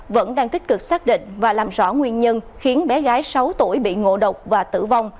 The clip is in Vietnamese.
vẫn đang tích cực xác định và làm rõ nguyên nhân khiến bé gái sáu tuổi bị ngộ độc và tử vong